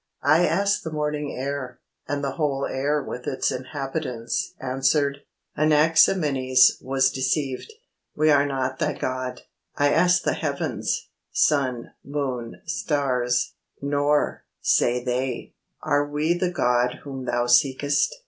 I asked the morning air, and the whole air with its inhabitants answered, 'Anaximenes was deceived, we are not thy God.' I asked the heavens, sun, moon, stars, 'Nor,' say they, 'are we the God whom thou seekest.'